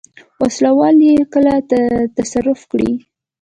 وسله وال یې کله تصرف کړي.